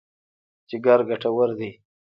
جګر ګټور دی.